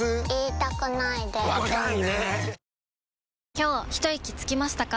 今日ひといきつきましたか？